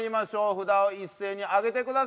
札を一斉に上げてください。